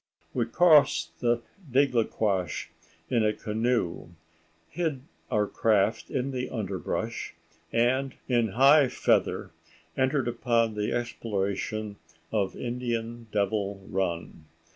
We crossed the Digdequash in a canoe, hid our craft in the underbrush, and in high feather entered upon the exploration of Indian Devil Run.